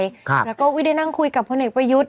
แล้วแล้วก็ได้นั่งคุยกับผู้เอกประยุทธ์